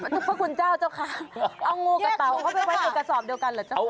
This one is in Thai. เพราะคุณเจ้าเจ้าค้างเอางูกับเต่าเข้าไปกดกระสอบเดียวกันเหรอเจ้าค้าง